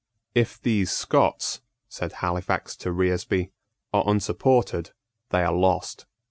"If these Scots," said Halifax to Reresby, "are unsupported, they are lost.